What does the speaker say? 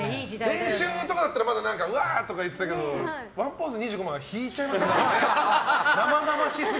練習とかだったらまだわーとか言ってたけど１ポーズ２５万は引いちゃいますね。